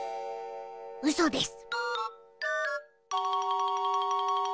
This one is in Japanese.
うそです。